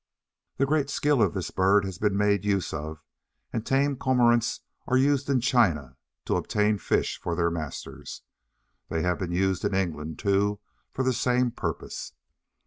The great skill of this bird has been made use of, and tame Cormorants are used in China to obtain fish for their masters. They have been used in England, too, for the same purpose.